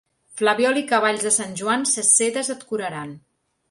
Flabiol i cavalls de Sant Joan, ses sedes et curaran.